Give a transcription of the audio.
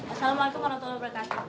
assalamualaikum wr wb